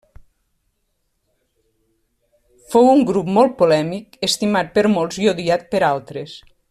Fou un grup molt polèmic, estimat per molts i odiat per altres.